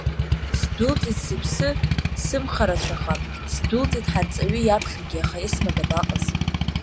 Сдәылҵит сыԥсы сымхарацәаха, сдәылҵит ҳарҵаҩы иаԥхьагьы, аха Есма дабаҟаз…